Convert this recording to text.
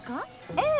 ええ。